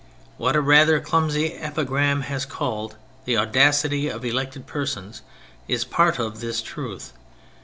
What a rather clumsy epigram has called " the audacity of elected persons " is part of this truth.